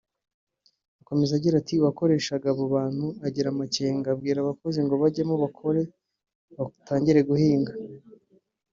Akomeza agira ati” Uwakoreshaga abo bantu agira amakenga abwira abakozi ngo bajyemo bakore batangiye guhinga